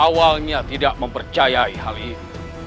awalnya tidak mempercayai hal ini